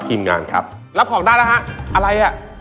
เอาแล้วมาสิ